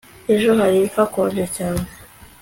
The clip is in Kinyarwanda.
ejo hari hakonje cyane